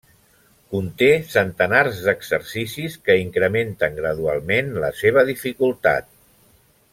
Conté centenars d'exercicis que incrementen gradualment la seva dificultat.